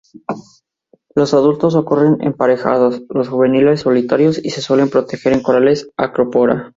Los adultos ocurren emparejados, los juveniles solitarios, y se suelen proteger en corales "Acropora".